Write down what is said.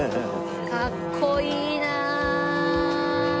かっこいいなあ！